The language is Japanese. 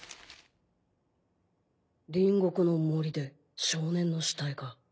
隣国の森で少年の死体か。